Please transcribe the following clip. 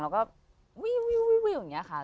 แล้วก็วิวอย่างนี้ค่ะ